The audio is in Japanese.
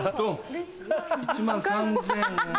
１万３０００。